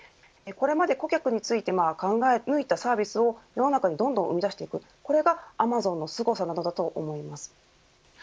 これまで顧客について考え抜いたサービスを世の中にどんどん生み出していくこれがアマゾンのすごさなのだと思います。